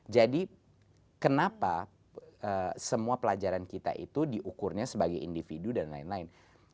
jadi kenapa semua pelajaran kita itu diukurnya sebagai individu dan lain lain